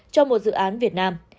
cho một dự án việt nam